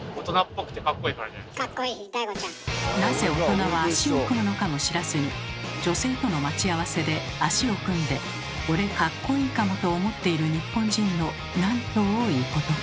なぜ大人は足を組むのかも知らずに女性との待ち合わせで足を組んで「俺かっこいいかも」と思っている日本人のなんと多いことか。